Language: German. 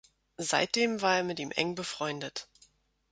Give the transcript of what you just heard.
Seitdem war er mit ihm eng befreundet.